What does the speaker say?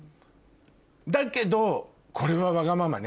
だけどこれはわがままね